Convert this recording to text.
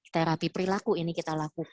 terapi perilaku ini kita lakukan